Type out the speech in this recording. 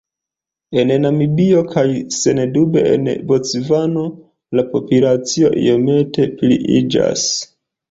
En Namibio kaj sendube en Bocvano, la populacio iomete pliiĝas.